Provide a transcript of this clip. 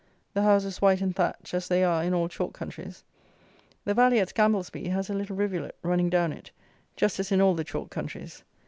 The houses white and thatched, as they are in all chalk countries. The valley at Scamblesby has a little rivulet running down it, just as in all the chalk countries.